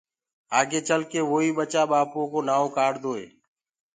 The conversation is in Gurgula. آگي چل ڪي ووئيٚ ٻچآ ٻآپوو ڪو نآئو ڪآڙدوئي